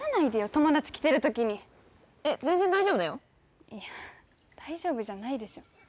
友達来てる時にえっ全然大丈夫だよいや大丈夫じゃないでしょ